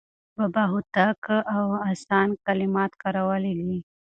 بابا هوتک ساده او اسان کلمات کارولي دي.